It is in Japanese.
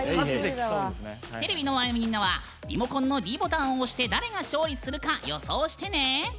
テレビの前のみんなはリモコンのｄボタンを押して誰が勝利するか予想してね。